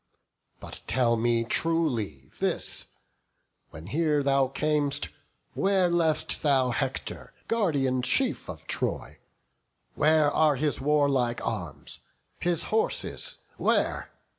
But tell me truly this; when here thou cam'st, Where left'st thou Hector, guardian chief of Troy? Where are his warlike arms? his horses where?